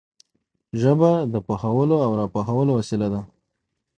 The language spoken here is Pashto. ژبه د پوهولو او را پوهولو وسیله ده